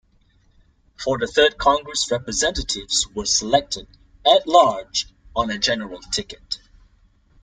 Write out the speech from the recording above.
For the third Congress Representatives were selected At-large on a general ticket.